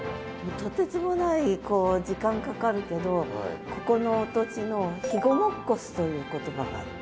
とてつもない時間かかるけどここの土地の「肥後もっこす」という言葉があって。